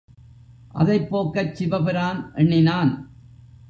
அதைப் போக்கச் சிவபிரான் எண்ணினான்.